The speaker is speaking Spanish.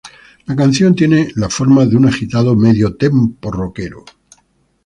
La canción tiene la forma de un agitado medio-tempo roquero.